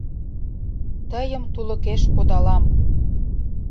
Тыйым тулыкеш кодалам.